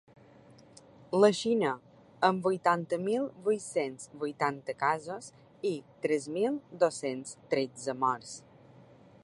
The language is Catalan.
La Xina, amb vuitanta mil vuit-cents vuitanta casos i tres mil dos-cents tretze morts.